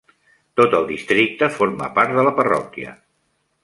Tot el districte forma part de la parròquia.